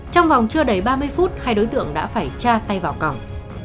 trong vòng trưa đầy ba mươi phút hai đối tượng đã phải cha tay vào cỏng